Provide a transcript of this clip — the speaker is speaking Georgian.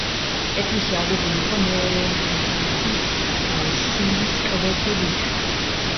ეკლესია აგებული იყო ნეორენესანსის სულისკვეთებით.